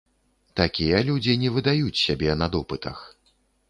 Такія людзі не выдаюць сябе на допытах.